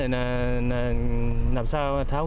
là làm sao tháo gỡ